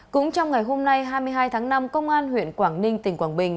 cũng trong ngày hôm nay hai mươi hai tháng năm công an huyện quảng ninh tỉnh quảng bình